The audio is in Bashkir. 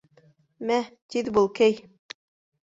Мә, тиҙ бул, кей!